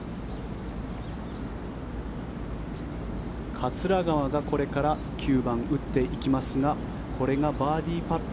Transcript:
桂川がこれから９番打っていきますがこれがバーディーパット。